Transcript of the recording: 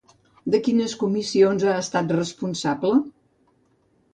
De quines comissions ha estat responsable?